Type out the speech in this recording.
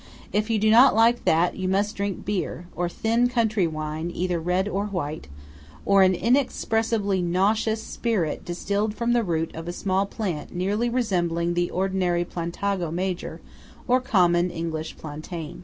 If you do not like that, you must drink beer; or thin country wine, either red or white; or an inexpressibly nauseous spirit distilled from the root of a small plant nearly resembling the ordinary Plantago major, or common English plantain.